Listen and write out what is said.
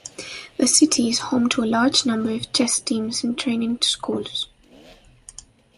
The city is home to a large number of chess teams and training schools.